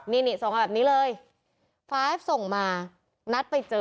นี่ส่งมาแบบนี้เลย๕ส่งมานัดไปเจอ